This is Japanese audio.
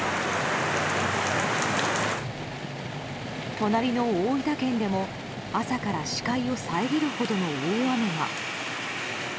隣の大分県でも朝から視界を遮るほどの大雨が。